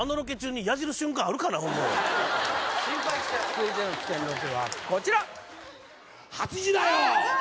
続いての危険ロケはこちら８時だョ！